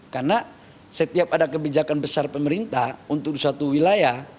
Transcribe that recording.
karena setiap ada kebijakan besar pemerintah untuk suatu wilayah